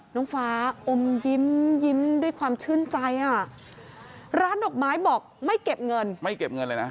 น้องฟ้าอมยิ้มยิ้มด้วยความชื่นใจอ่ะร้านดอกไม้บอกไม่เก็บเงินไม่เก็บเงินเลยนะ